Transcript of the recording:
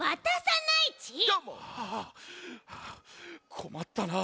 こまったなあ。